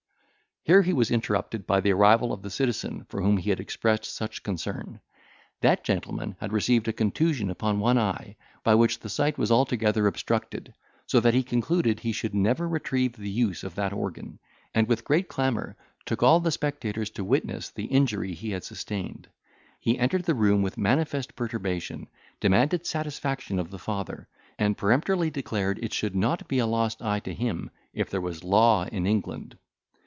Here he was interrupted by the arrival of the citizen for whom he had expressed such concern; that gentleman had received a contusion upon one eye, by which the sight was altogether obstructed, so that he concluded he should never retrieve the use of that organ, and with great clamour took all the spectators to witness the injury he had sustained; he entered the room with manifest perturbation, demanded satisfaction of the father, and peremptorily declared it should not be a lost eye to him if there was law in England.